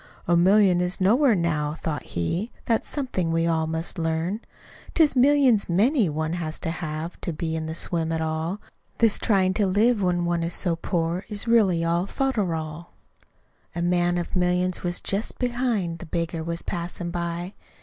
"A million is nowhere, now," thought he, "That's somethin' we all must learn. "It's millions MANY one has to have, To be in the swim at all. This tryin' to live when one is so poor Is really all folderol!" ..... A man of millions was just behind; The beggar was passin' by.